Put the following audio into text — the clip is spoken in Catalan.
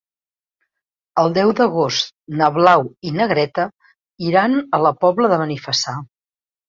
El deu d'agost na Blau i na Greta iran a la Pobla de Benifassà.